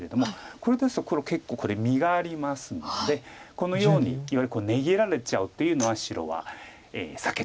これですと黒結構実がありますのでこのようにいわゆる値切られちゃうっていうのは白は避けたい。